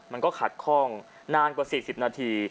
มันก็ขัดข้องนานกว่า๔๐นาที